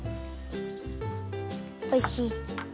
おいしい。